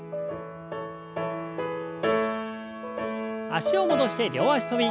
脚を戻して両脚跳び。